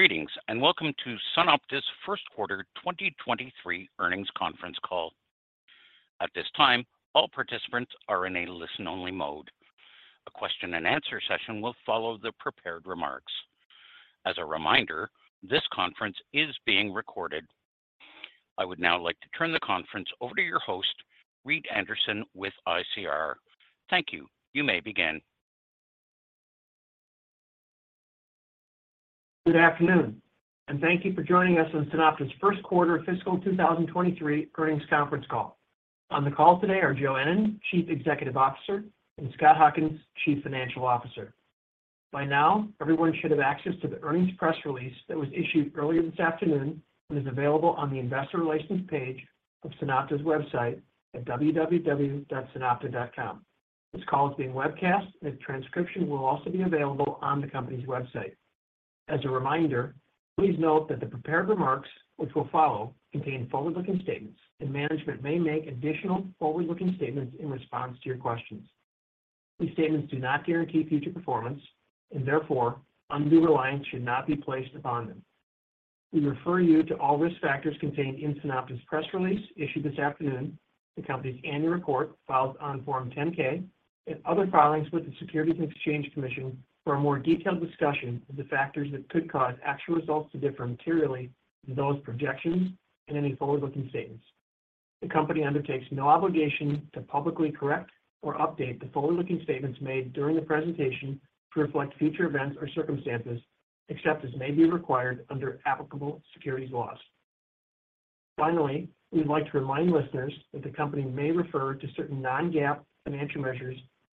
Greetings, and welcome to SunOpta's first quarter 2023 earnings conference call. At this time, all participants are in a listen-only mode. A question and answer session will follow the prepared remarks. As a reminder, this conference is being recorded. I would now like to turn the conference over to your host, Reed Anderson with ICR. Thank you. You may begin. Good afternoon, and thank you for joining us on SunOpta's first quarter fiscal 2023 earnings conference call. On the call today are Joe Ennen, Chief Executive Officer, and Scott Huckins, Chief Financial Officer. By now, everyone should have access to the earnings press release that was issued earlier this afternoon and is available on the investor relations page of SunOpta's website at www.sunopta.com. This call is being webcast, and a transcription will also be available on the company's website. As a reminder, please note that the prepared remarks which will follow contain forward-looking statements, and management may make additional forward-looking statements in response to your questions. These statements do not guarantee future performance, and therefore undue reliance should not be placed upon them. We refer you to all risk factors contained in SunOpta's press release issued this afternoon, the company's annual report filed on Form 10-K, and other filings with the Securities and Exchange Commission for a more detailed discussion of the factors that could cause actual results to differ materially from those projections and any forward-looking statements. The company undertakes no obligation to publicly correct or update the forward-looking statements made during the presentation to reflect future events or circumstances except as may be required under applicable securities laws. We'd like to remind listeners that the company may refer to certain non-GAAP financial measures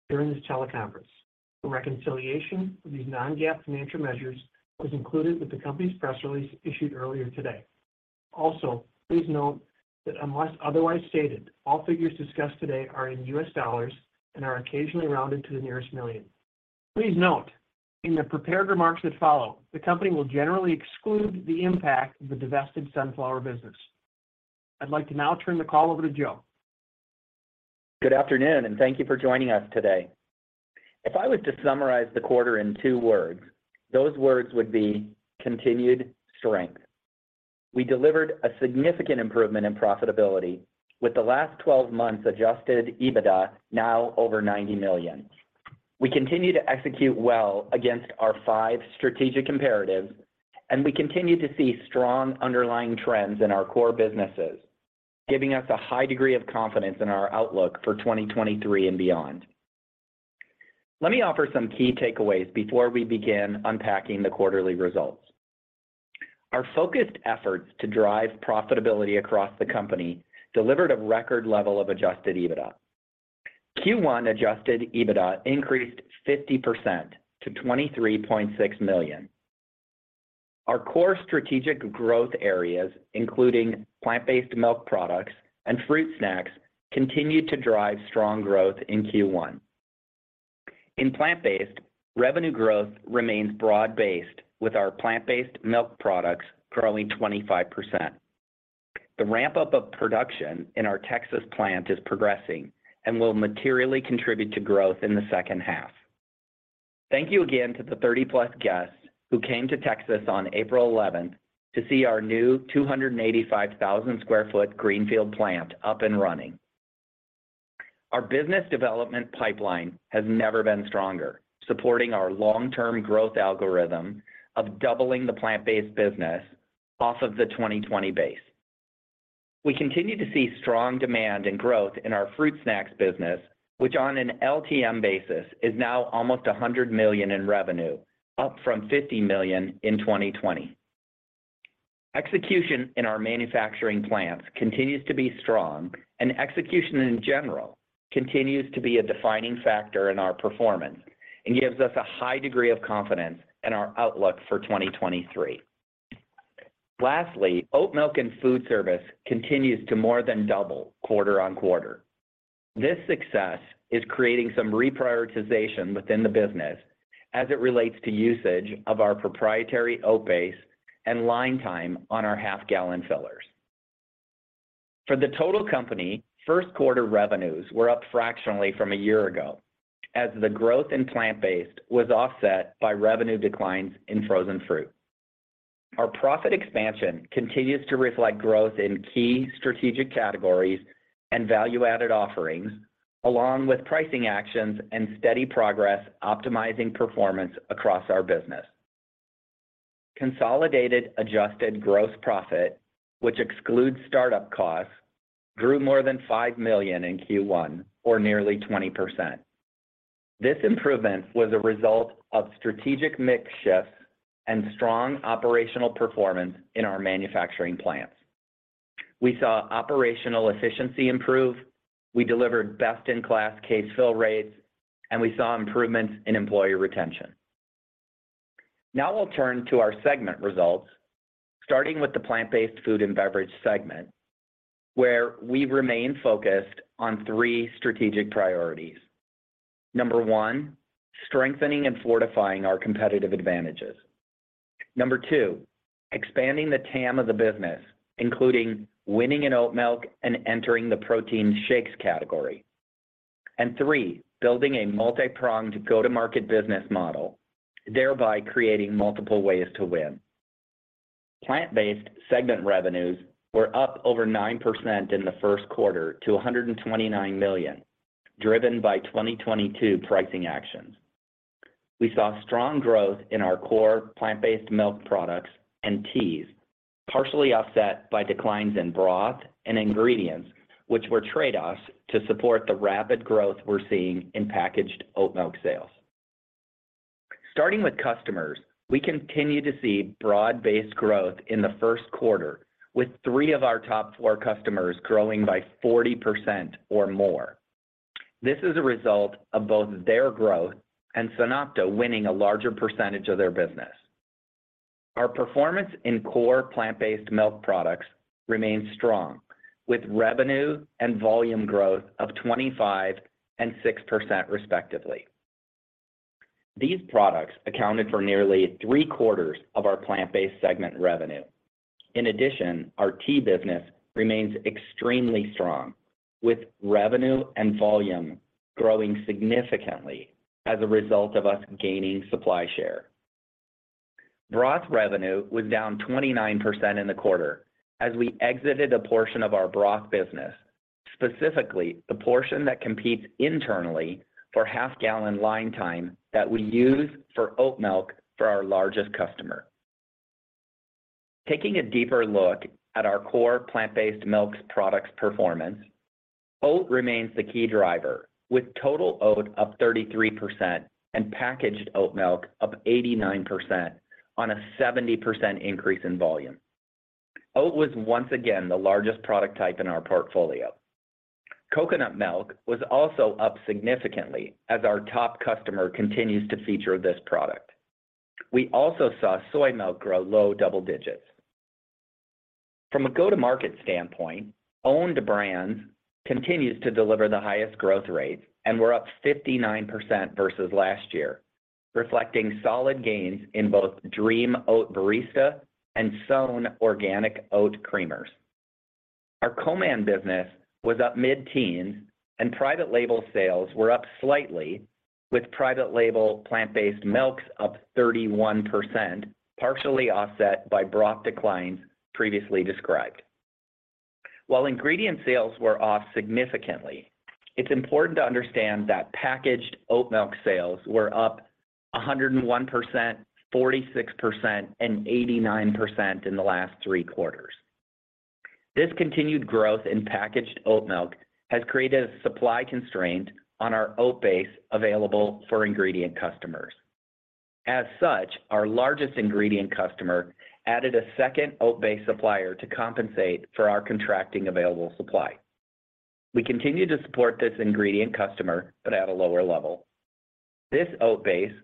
during this teleconference. A reconciliation of these non-GAAP financial measures was included with the company's press release issued earlier today. Please note that unless otherwise stated, all figures discussed today are in US dollars and are occasionally rounded to the nearest million. Please note, in the prepared remarks that follow, the company will generally exclude the impact of the divested sunflower business. I'd like to now turn the call over to Joe. Good afternoon, thank you for joining us today. If I was to summarize the quarter in two words, those words would be continued strength. We delivered a significant improvement in profitability with the last twelve months adjusted EBITDA now over $90 million. We continue to execute well against our five strategic imperatives, and we continue to see strong underlying trends in our core businesses, giving us a high degree of confidence in our outlook for 2023 and beyond. Let me offer some key takeaways before we begin unpacking the quarterly results. Our focused efforts to drive profitability across the company delivered a record level of adjusted EBITDA. Q1 adjusted EBITDA increased 50% to $23.6 million. Our core strategic growth areas, including plant-based milk products and fruit snacks, continued to drive strong growth in Q1. In plant-based, revenue growth remains broad-based, with our plant-based milk products growing 25%. The ramp-up of production in our Texas plant is progressing and will materially contribute to growth in the second half. Thank you again to the 30-plus guests who came to Texas on April 11th to see our new 285,000 sq ft greenfield plant up and running. Our business development pipeline has never been stronger, supporting our long-term growth algorithm of doubling the plant-based business off of the 2020 base. We continue to see strong demand and growth in our fruit snacks business, which on an LTM basis is now almost $100 million in revenue, up from $50 million in 2020. Execution in our manufacturing plants continues to be strong, and execution in general continues to be a defining factor in our performance and gives us a high degree of confidence in our outlook for 2023. Lastly, oatmilk and food service continues to more than double quarter on quarter. This success is creating some reprioritization within the business as it relates to usage of our proprietary oatbase and line time on our half gallon fillers. For the total company, first quarter revenues were up fractionally from a year ago as the growth in plant-based was offset by revenue declines in frozen fruit. Our profit expansion continues to reflect growth in key strategic categories and value-added offerings along with pricing actions and steady progress optimizing performance across our business. Consolidated adjusted gross profit, which excludes startup costs, grew more than $5 million in Q1, or nearly 20%. This improvement was a result of strategic mix shifts and strong operational performance in our manufacturing plants. We saw operational efficiency improve. We delivered best-in-class case fill rates, and we saw improvements in employee retention. Now we'll turn to our segment results, starting with the plant-based food and beverage segment, where we remain focused on three strategic priorities. Number 1, strengthening and fortifying our competitive advantages. Number 2, expanding the TAM of the business, including winning in oatmilk and entering the protein shakes category. 3, building a multi-pronged go-to-market business model, thereby creating multiple ways to win. Plant-based segment revenues were up over 9% in the first quarter to $129 million, driven by 2022 pricing actions. We saw strong growth in our core plant-based milk products and teas, partially offset by declines in broth and ingredients, which were trade-offs to support the rapid growth we're seeing in packaged oatmilk sales. Starting with customers, we continue to see broad-based growth in the first quarter, with three of our top four customers growing by 40% or more. This is a result of both their growth and SunOpta winning a larger percentage of their business. Our performance in core plant-based milk products remains strong, with revenue and volume growth of 25% and 6% respectively. These products accounted for nearly 3/4 of our plant-based segment revenue. In addition, our tea business remains extremely strong, with revenue and volume growing significantly as a result of us gaining supply share. Broth revenue was down 29% in the quarter as we exited a portion of our broth business, specifically the portion that competes internally for half-gallon line time that we use for oatmilk for our largest customer. Taking a deeper look at our core plant-based milk products performance, oat remains the key driver, with total oat up 33% and packaged oatmilk up 89% on a 70% increase in volume. Oat was once again the largest product type in our portfolio. coconutmilk was also up significantly as our top customer continues to feature this product. We also saw soymilk grow low double digits. From a go-to-market standpoint, owned brands continues to deliver the highest growth rates and were up 59% versus last year, reflecting solid gains in both Dream Oatmilk Barista and SOWN Organic Oat Creamers. Our co-man business was up mid-teens and private label sales were up slightly, with private label plant-based milks up 31%, partially offset by broth declines previously described. While ingredient sales were off significantly, it's important to understand that packaged oat milk sales were up 101%, 46%, and 89% in the last three quarters. This continued growth in packaged oat milk has created a supply constraint on our oatbase available for ingredient customers. As such, our largest ingredient customer added a second oatbase supplier to compensate for our contracting available supply. We continue to support this ingredient customer, but at a lower level. This oatbase,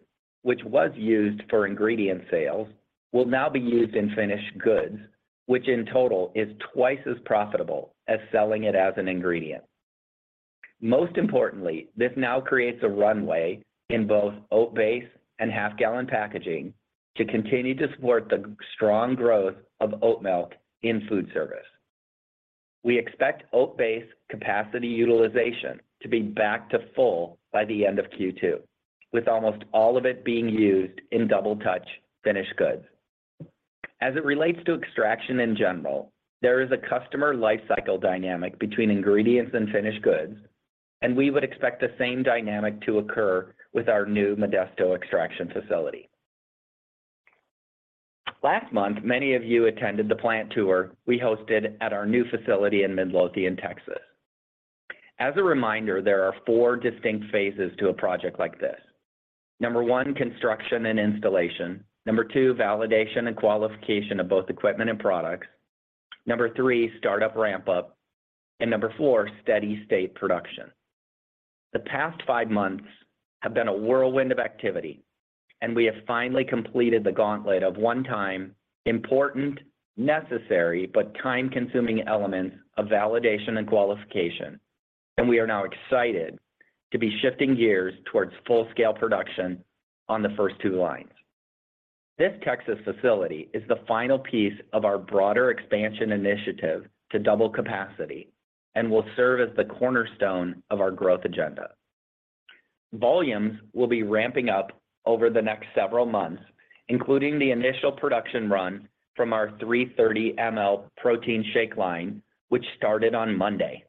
which was used for ingredient sales, will now be used in finished goods, which in total is twice as profitable as selling it as an ingredient. Most importantly, this now creates a runway in both oatbase and half-gallon packaging to continue to support the strong growth of oatmilk in food service. We expect oatbase capacity utilization to be back to full by the end of Q2, with almost all of it being used in double-touch finished goods. As it relates to extraction in general, there is a customer lifecycle dynamic between ingredients and finished goods, and we would expect the same dynamic to occur with our new Modesto extraction facility. Last month, many of you attended the plant tour we hosted at our new facility in Midlothian, Texas. As a reminder, there are 4 distinct phases to a project like this. 1. Construction and installation. 2. Validation and qualification of both equipment and products. 3. Startup ramp-up. 4. Steady-state production. The past five months have been a whirlwind of activity, and we have finally completed the gauntlet of one-time important, necessary, but time-consuming elements of validation and qualification, and we are now excited to be shifting gears towards full-scale production on the first two lines. This Texas facility is the final piece of our broader expansion initiative to double capacity and will serve as the cornerstone of our growth agenda. Volumes will be ramping up over the next several months, including the initial production run from our 330 mL protein shake line, which started on Monday.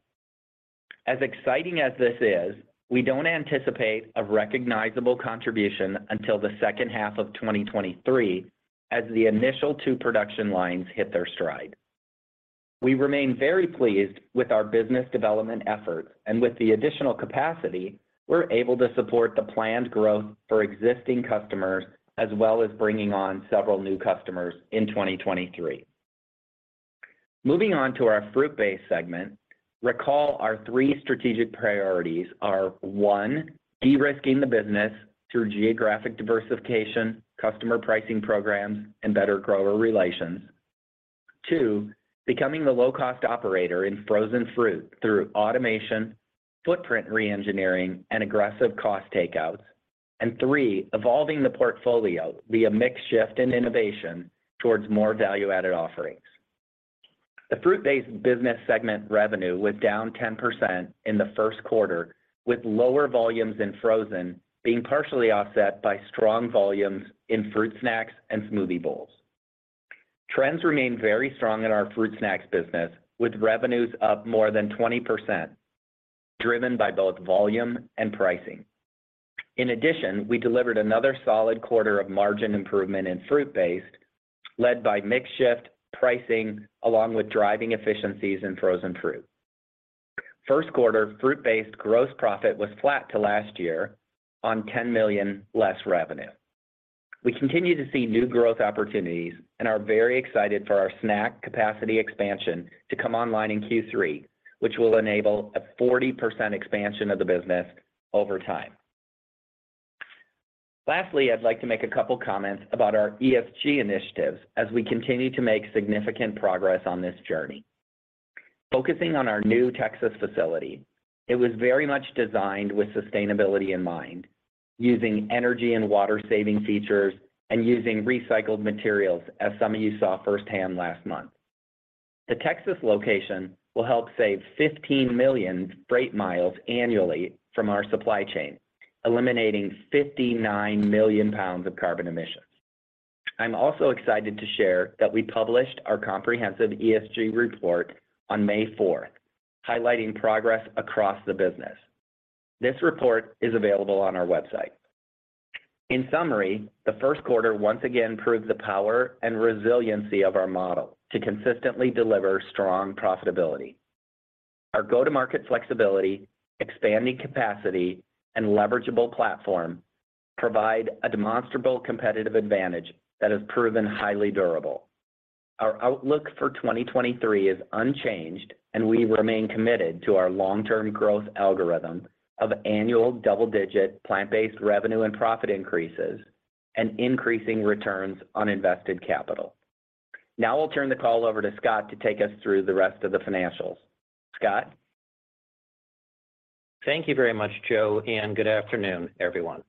As exciting as this is, we don't anticipate a recognizable contribution until the second half of 2023 as the initial two production lines hit their stride. We remain very pleased with our business development efforts, and with the additional capacity, we're able to support the planned growth for existing customers, as well as bringing on several new customers in 2023. Moving on to our fruit-based segment, recall our three strategic priorities are, one, de-risking the business through geographic diversification, customer pricing programs, and better grower relations. Two, becoming the low-cost operator in frozen fruit through automation, footprint re-engineering, and aggressive cost takeouts. three, evolving the portfolio via mix shift and innovation towards more value-added offerings. The fruit-based business segment revenue was down 10% in the first quarter, with lower volumes in frozen being partially offset by strong volumes in fruit snacks and smoothie bowls. Trends remain very strong in our fruit snacks business, with revenues up more than 20%, driven by both volume and pricing. We delivered another solid quarter of margin improvement in fruit-based, led by mix shift, pricing, along with driving efficiencies in frozen fruit. First quarter fruit-based gross profit was flat to last year on $10 million less revenue. We continue to see new growth opportunities and are very excited for our snack capacity expansion to come online in Q3, which will enable a 40% expansion of the business over time. I'd like to make a couple comments about our ESG initiatives as we continue to make significant progress on this journey. Focusing on our new Texas facility, it was very much designed with sustainability in mind, using energy and water saving features and using recycled materials, as some of you saw firsthand last month. The Texas location will help save 15 million freight miles annually from our supply chain, eliminating 59 million pounds of carbon emissions. I'm also excited to share that we published our comprehensive ESG report on May 4, highlighting progress across the business. This report is available on our website. In summary, the first quarter once again proved the power and resiliency of our model to consistently deliver strong profitability. Our go-to-market flexibility, expanding capacity, and leverageable platform provide a demonstrable competitive advantage that has proven highly durable. Our outlook for 2023 is unchanged, and we remain committed to our long-term growth algorithm of annual double-digit plant-based revenue and profit increases and increasing returns on invested capital. I'll turn the call over to Scott to take us through the rest of the financials. Scott? Thank you very much, Joe. Good afternoon, everyone.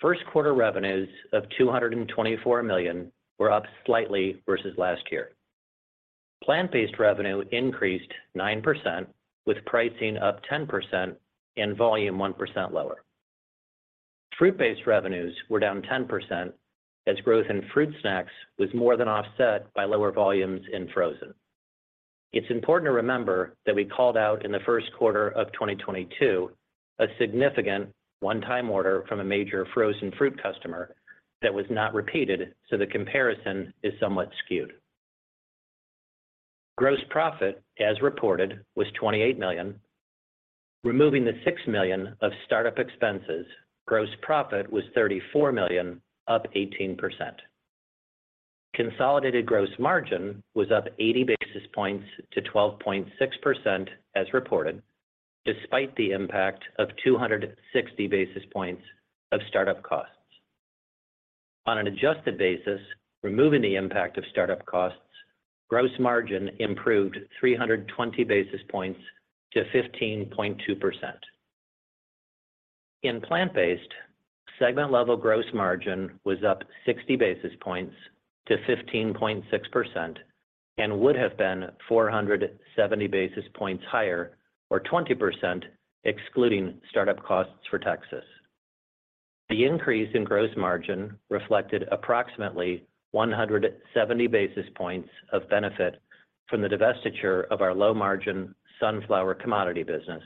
First quarter revenues of $224 million were up slightly versus last year. Plant-based revenue increased 9% with pricing up 10% and volume 1% lower. Fruit-based revenues were down 10% as growth in fruit snacks was more than offset by lower volumes in frozen. It's important to remember that we called out in the first quarter of 2022 a significant one-time order from a major frozen fruit customer that was not repeated, so the comparison is somewhat skewed. Gross profit, as reported, was $28 million. Removing the $6 million of startup expenses, gross profit was $34 million, up 18%. Consolidated gross margin was up 80 basis points to 12.6% as reported, despite the impact of 260 basis points of startup costs. On an adjusted basis, removing the impact of startup costs, gross margin improved 320 basis points to 15.2%. In plant-based, segment-level gross margin was up 60 basis points to 15.6% and would have been 470 basis points higher or 20% excluding startup costs for Texas. The increase in gross margin reflected approximately 170 basis points of benefit from the divestiture of our low-margin sunflower commodity business,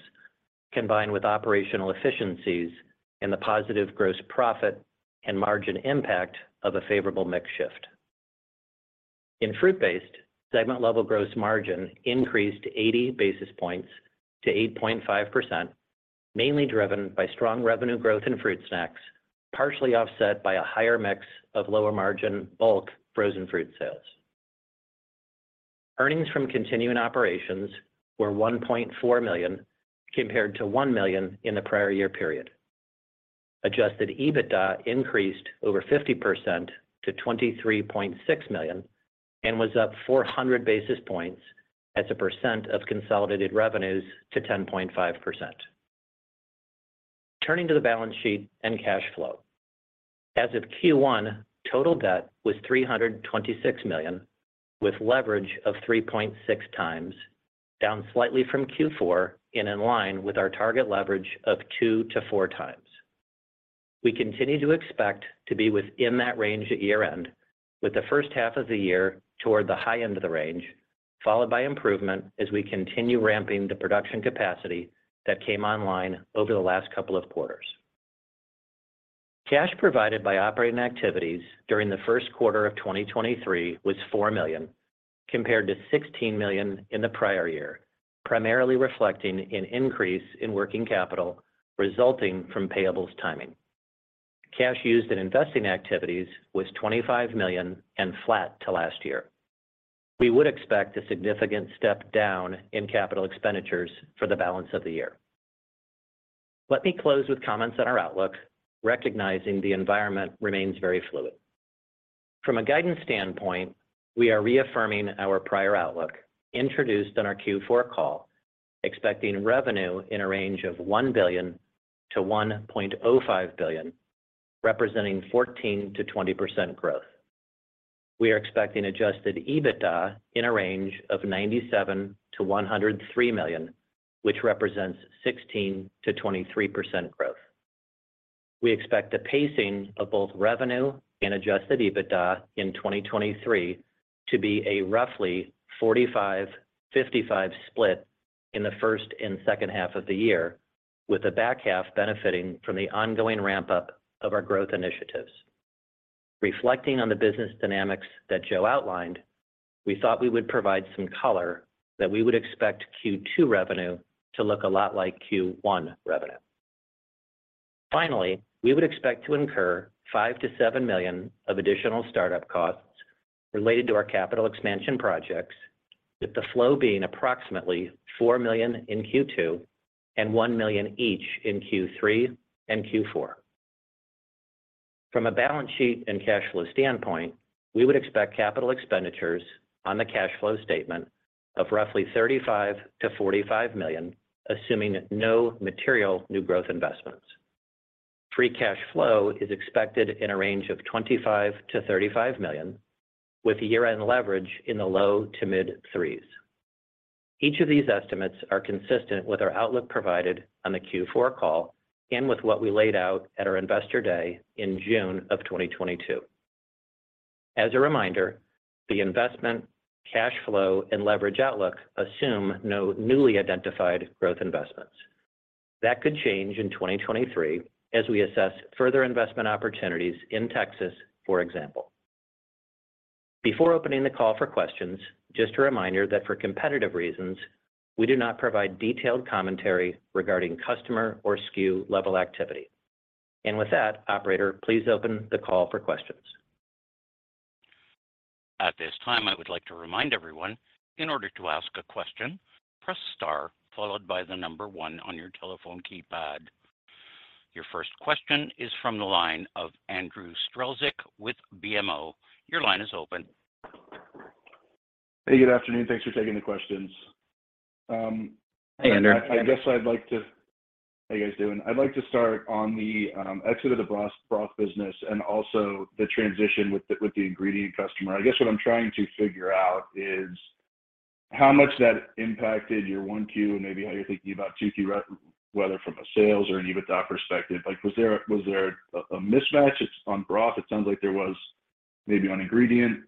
combined with operational efficiencies and the positive gross profit and margin impact of a favorable mix shift. In fruit-based, segment-level gross margin increased 80 basis points to 8.5%, mainly driven by strong revenue growth in fruit snacks, partially offset by a higher mix of lower-margin bulk frozen fruit sales. Earnings from continuing operations were $1.4 million compared to $1 million in the prior year period. adjusted EBITDA increased over 50% to $23.6 million and was up 400 basis points as a percent of consolidated revenues to 10.5%. Turning to the balance sheet and cash flow. As of Q1, total debt was $326 million with leverage of 3.6 times, down slightly from Q4 and in line with our target leverage of 2-4 times. We continue to expect to be within that range at year-end, with the first half of the year toward the high end of the range, followed by improvement as we continue ramping the production capacity that came online over the last couple of quarters. Cash provided by operating activities during the first quarter of 2023 was $4 million, compared to $16 million in the prior year, primarily reflecting an increase in working capital resulting from payables timing. Cash used in investing activities was $25 million and flat to last year. We would expect a significant step down in capital expenditures for the balance of the year. Let me close with comments on our outlook, recognizing the environment remains very fluid. From a guidance standpoint, we are reaffirming our prior outlook introduced on our Q4 call, expecting revenue in a range of $1 billion-$1.05 billion. Representing 14%-20% growth. We are expecting adjusted EBITDA in a range of $97 million-$103 million, which represents 16%-23% growth. We expect the pacing of both revenue and adjusted EBITDA in 2023 to be a roughly 45-55 split in the first and second half of the year, with the back half benefiting from the ongoing ramp-up of our growth initiatives. Reflecting on the business dynamics that Joe outlined, we thought we would provide some color that we would expect Q2 revenue to look a lot like Q1 revenue. We would expect to incur $5 million-$7 million of additional startup costs related to our capital expansion projects, with the flow being approximately $4 million in Q2 and $1 million each in Q3 and Q4. From a balance sheet and cash flow standpoint, we would expect capital expenditures on the cash flow statement of roughly $35 million-$45 million, assuming no material new growth investments. Free cash flow is expected in a range of $25 million-$35 million, with year-end leverage in the low to mid 3s. Each of these estimates are consistent with our outlook provided on the Q4 call and with what we laid out at our Investor Day in June of 2022. As a reminder, the investment, cash flow and leverage outlook assume no newly identified growth investments. That could change in 2023 as we assess further investment opportunities in Texas, for example. Before opening the call for questions, just a reminder that for competitive reasons, we do not provide detailed commentary regarding customer or SKU level activity. With that, operator, please open the call for questions. At this time, I would like to remind everyone, in order to ask a question, press star followed by the number one on your telephone keypad. Your first question is from the line of Andrew Strelzik with BMO. Your line is open. Hey, good afternoon. Thanks for taking the questions. Hey, Andrew. I guess. How you guys doing? I'd like to start on the exit of the broth business and also the transition with the ingredient customer. I guess what I'm trying to figure out is how much that impacted your 1Q, and maybe how you're thinking about 2Q whether from a sales or an EBITDA perspective. Like, was there a mismatch on broth? It sounds like there was maybe on ingredient,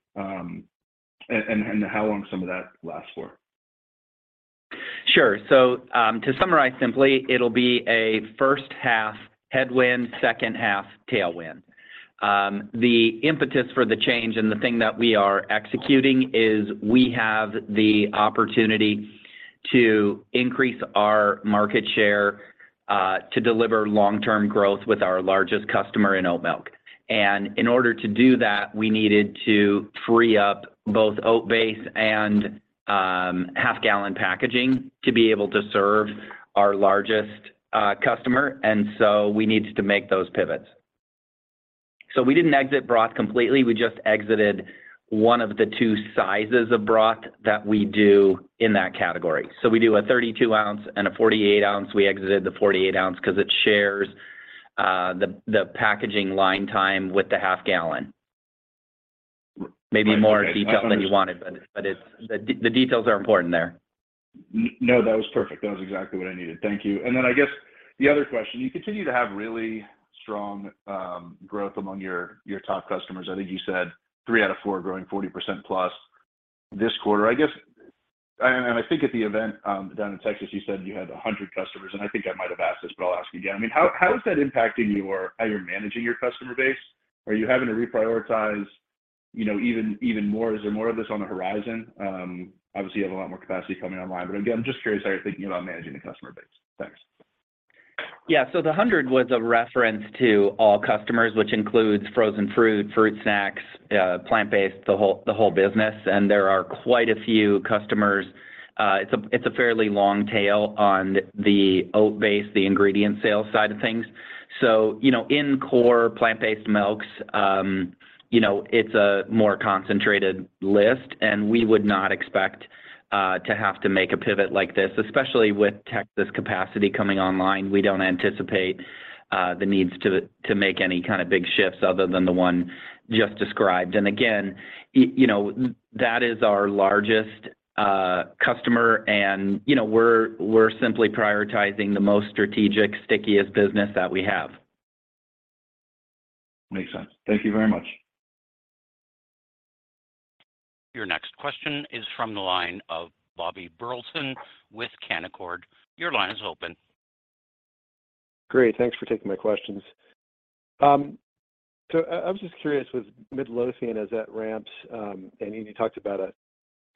and how long some of that lasts for. Sure. To summarize simply, it'll be a first half headwind, second half tailwind. The impetus for the change and the thing that we are executing is we have the opportunity to increase our market share to deliver long-term growth with our largest customer in oatmilk. In order to do that, we needed to free up both oatbase and half gallon packaging to be able to serve our largest customer. We needed to make those pivots. We didn't exit broth completely, we just exited 1 of the 2 sizes of broth that we do in that category. We do a 32 ounce and a 48 ounce. We exited the 48 ounce 'cause it shares the packaging line time with the half gallon. Maybe more detail than you wanted, but the details are important there. No, that was perfect. That was exactly what I needed. Thank you. I guess the other question, you continue to have really strong, growth among your top customers. I think you said three out of four growing 40% plus this quarter. I think at the event, down in Texas, you said you had 100 customers, and I think I might have asked this, but I'll ask you again. I mean, how is that impacting you or how you're managing your customer base? Are you having to reprioritize, you know, even more? Is there more of this on the horizon? Obviously you have a lot more capacity coming online, but again, I'm just curious how you're thinking about managing the customer base. Thanks. Yeah. The 100 was a reference to all customers, which includes frozen fruit snacks, plant-based, the whole business. There are quite a few customers. It's a fairly long tail on the oat-based, the ingredient sales side of things. You know, in core plant-based milks, you know, it's a more concentrated list, and we would not expect to have to make a pivot like this, especially with Texas capacity coming online. We don't anticipate the needs to make any kind of big shifts other than the one just described. Again, you know, that is our largest customer and, you know, we're simply prioritizing the most strategic, stickiest business that we have. Makes sense. Thank you very much. Your next question is from the line of Bobby Burleson with Canaccord. Your line is open. Great. Thanks for taking my questions. I was just curious with Midlothian as that ramps, and you talked about a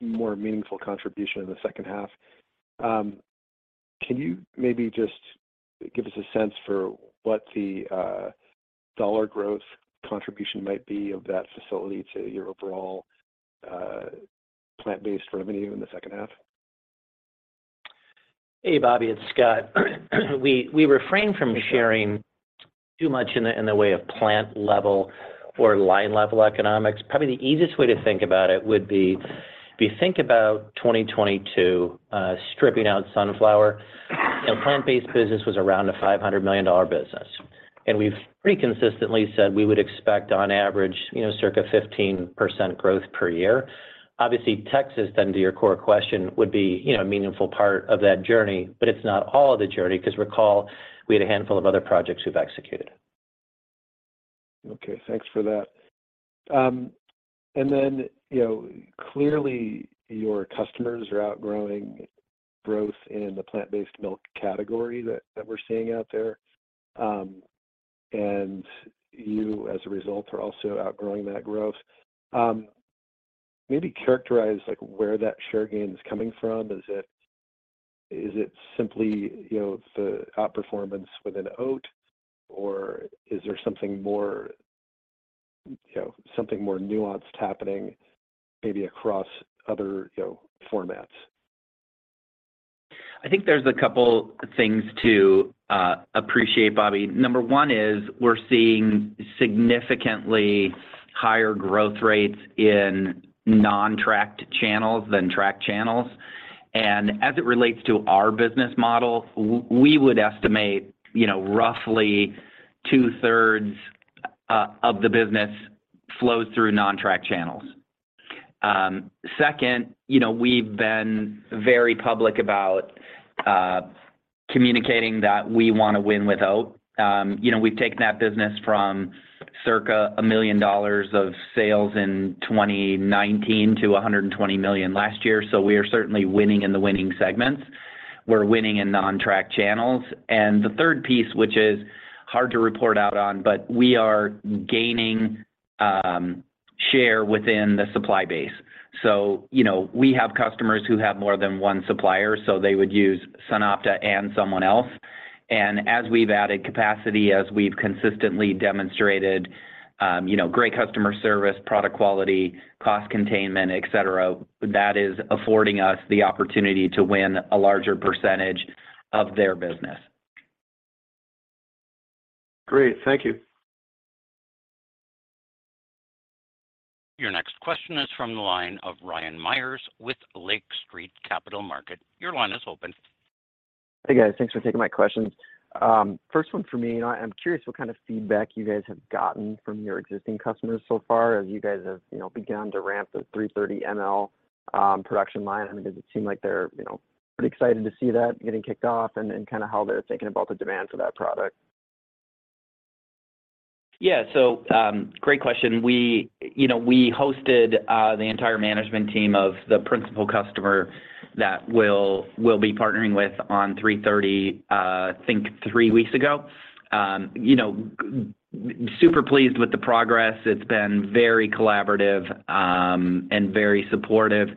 more meaningful contribution in the second half. Can you maybe just give us a sense for what the dollar growth contribution might be of that facility to your overall plant-based revenue in the second half? Hey, Bobby, it's Scott. We refrain from sharing too much in the, in the way of plant level or line level economics. Probably the easiest way to think about it would be if you think about 2022, stripping out sunflower Plant-based business was around a $500 million business and we've pretty consistently said we would expect on average, you know, circa 15% growth per year. Texas then to your core question would be, you know, a meaningful part of that journey, but it's not all of the journey because recall we had a handful of other projects we've executed. Okay, thanks for that. Then, you know, clearly your customers are outgrowing growth in the plant-based milk category that we're seeing out there. You as a result are also outgrowing that growth. Maybe characterize like where that share gain is coming from. Is it simply, you know, the outperformance within oat or is there something more, you know, something more nuanced happening maybe across other, you know, formats? I think there's a couple things to appreciate, Bobby. Number one is we're seeing significantly higher growth rates in non-tracked channels than tracked channels. As it relates to our business model, we would estimate, you know, roughly 2/3 of the business flows through non-track channels. Second, you know, we've been very public about communicating that we want to win without. You know, we've taken that business from circa $1 million of sales in 2019 to $120 million last year, so we are certainly winning in the winning segments. We're winning in non-track channels. The third piece, which is hard to report out on, but we are gaining share within the supply base. You know, we have customers who have more than one supplier, so they would use SunOpta and someone else. As we've added capacity, as we've consistently demonstrated, you know, great customer service, product quality, cost containment, et cetera, that is affording us the opportunity to win a larger percentage of their business. Great. Thank you. Your next question is from the line of Ryan Meyers with Lake Street Capital Markets. Your line is open. Hey guys, thanks for taking my questions. First one for me, you know, I'm curious what kind of feedback you guys have gotten from your existing customers so far as you guys have, you know, begun to ramp the 330 mL production line. I mean, does it seem like they're, you know, pretty excited to see that getting kicked off and kind of how they're thinking about the demand for that product? Yeah. Great question. We, you know, we hosted the entire management team of the principal customer that we'll be partnering with on 330 mL, I think 3 weeks ago. You know, super pleased with the progress. It's been very collaborative and very supportive.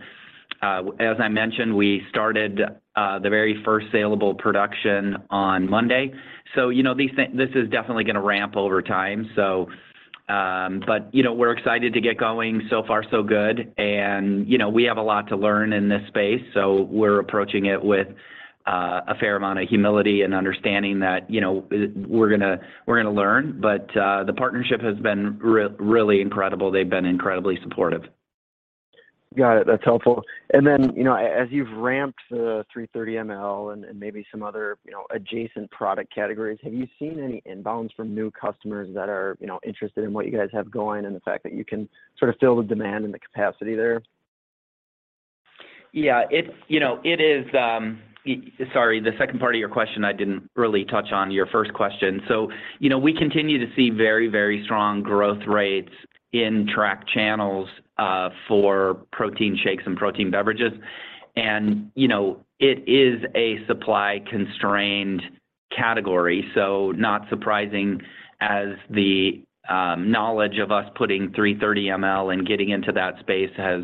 As I mentioned, we started the very first saleable production on Monday. You know, this is definitely gonna ramp over time. You know, we're excited to get going. So far so good. You know, we have a lot to learn in this space, so we're approaching it with a fair amount of humility and understanding that, you know, we're gonna learn. The partnership has been really incredible. They've been incredibly supportive. Got it. That's helpful. You know, as you've ramped the 330 mL and maybe some other, you know, adjacent product categories, have you seen any inbounds from new customers that are, you know, interested in what you guys have going and the fact that you can sort of fill the demand and the capacity there? You know, it is. Sorry, the second part of your question, I didn't really touch on your first question. You know, we continue to see very, very strong growth rates in track channels for protein shakes and protein beverages. You know, it is a supply constrained category, so not surprising as the knowledge of us putting 330 mL and getting into that space has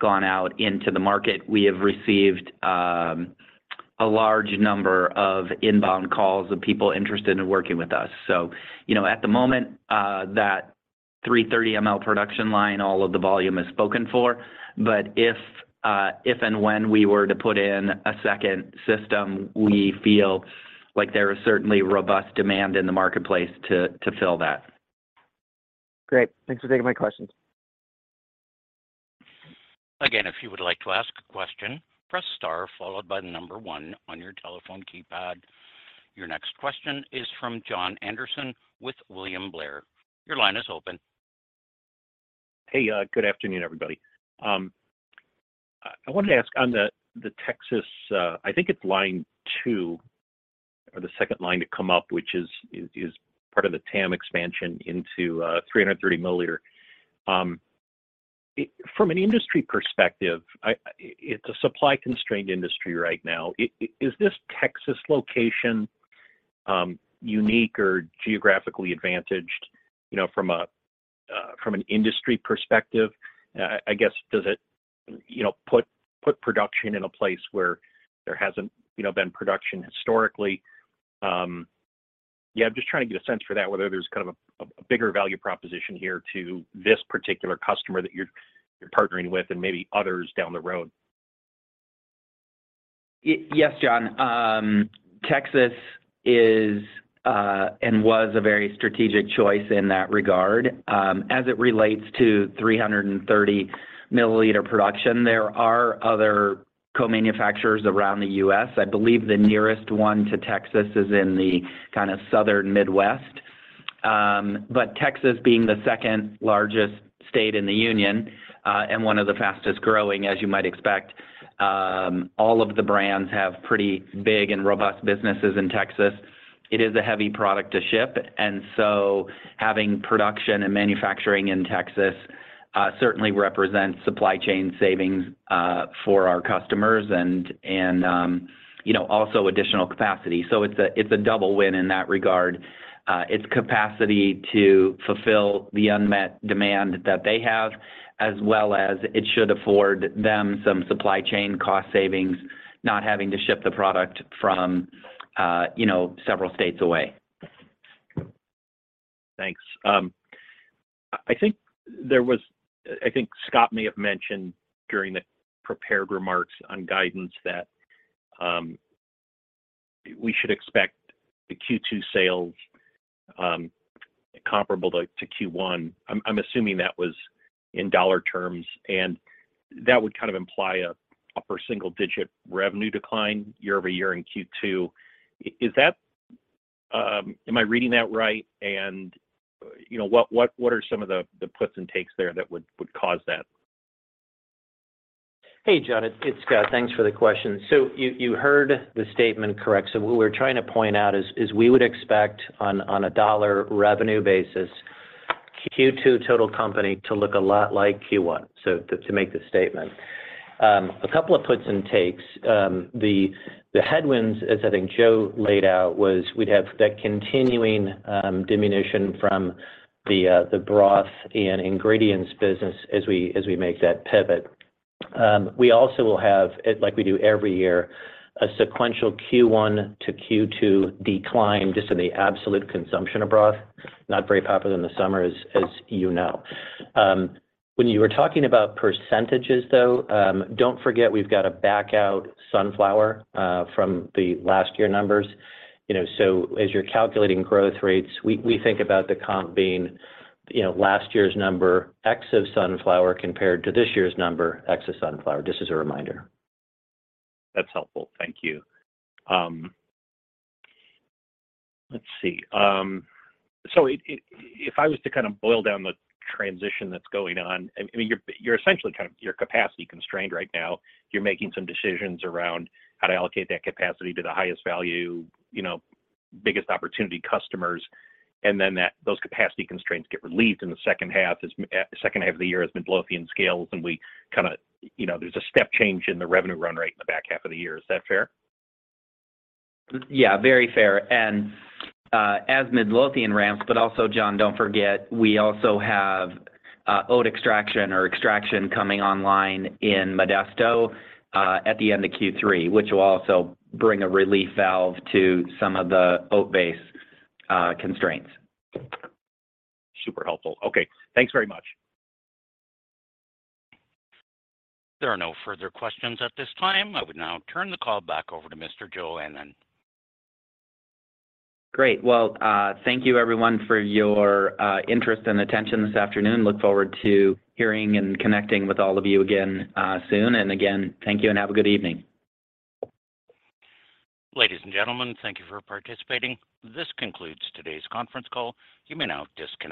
gone out into the market. We have received a large number of inbound calls of people interested in working with us. You know, at the moment, that 330 mL production line, all of the volume is spoken for. If and when we were to put in a second system, we feel like there is certainly robust demand in the marketplace to fill that. Great. Thanks for taking my questions. Again, if you would like to ask a question, press star followed by the number one on your telephone keypad. Your next question is from Jon Andersen with William Blair. Your line is open. Hey, good afternoon, everybody. I wanted to ask on the Texas, I think it's line two or the second line to come up, which is part of the TAM expansion into 330 mL. From an industry perspective, it's a supply constrained industry right now. Is this Texas location, unique or geographically advantaged, you know, from a, from an industry perspective? I guess, does it, you know, put production in a place where there hasn't, you know, been production historically? I'm just trying to get a sense for that, whether there's kind of a bigger value proposition here to this particular customer that you're partnering with and maybe others down the road. Yes, Jon. Texas is and was a very strategic choice in that regard. As it relates to 330 mL production, there are other co-manufacturers around the U.S. I believe the nearest one to Texas is in the kind of southern Midwest. Texas being the second largest state in the union, and one of the fastest-growing as you might expect, all of the brands have pretty big and robust businesses in Texas. It is a heavy product to ship, having production and manufacturing in Texas, certainly represents supply chain savings for our customers and, you know, also additional capacity. It's a, it's a double win in that regard. It's capacity to fulfill the unmet demand that they have as well as it should afford them some supply chain cost savings not having to ship the product from, you know, several states away. Thanks. I think Scott may have mentioned during the prepared remarks on guidance that we should expect the Q2 sales comparable to Q1. I'm assuming that was in dollar terms, and that would kind of imply a upper single-digit revenue decline year-over-year in Q2. Am I reading that right? You know, what are some of the puts and takes there that would cause that? Hey Jon, it's Scott. Thanks for the question. You heard the statement correct. What we're trying to point out is we would expect on a dollar revenue basis, Q2 total company to look a lot like Q1, so to make the statement. A couple of puts and takes. The headwinds as I think Joe laid out was we'd have that continuing diminution from the broth and ingredients business as we make that pivot. We also will have, like we do every year, a sequential Q1 to Q2 decline just in the absolute consumption of broth. Not very popular in the summer as you know. When you were talking about percentages though, don't forget we've got to back out sunflower from the last year numbers. You know, as you're calculating growth rates, we think about the comp being, you know, last year's number X of sunflower compared to this year's number X of sunflower. Just as a reminder. That's helpful. Thank you. let's see. If I was to kind of boil down the transition that's going on, I mean, you're essentially kind of, you're capacity constrained right now. You're making some decisions around how to allocate that capacity to the highest value, you know, biggest opportunity customers, and then those capacity constraints get relieved in the second half, as, second half of the year as Midlothian scales, and we kinda, you know, there's a step change in the revenue run rate in the back half of the year. Is that fair? Yeah, very fair. As Midlothian ramps, but also Jon, don't forget, we also have oat extraction or extraction coming online in Modesto at the end of Q3, which will also bring a relief valve to some of the oatbase constraints. Super helpful. Okay, thanks very much. There are no further questions at this time. I would now turn the call back over to Mr. Joe Ennen. Great. Well, thank you everyone for your interest and attention this afternoon. Look forward to hearing and connecting with all of you again, soon. Again, thank you and have a good evening. Ladies and gentlemen, thank you for participating. This concludes today's conference call. You may now disconnect.